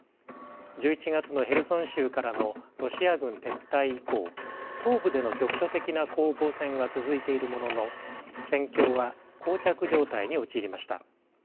１１月のヘルソン州からのロシア軍撤退以降東部での局所的な攻防戦は続いているものの戦況は膠着状態に陥りました。